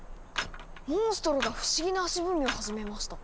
モンストロが不思議な足踏みを始めました。